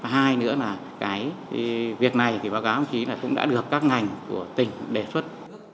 hai nữa là cái việc này thì báo cáo ông chí là cũng đã được các ngành của tỉnh đề xuất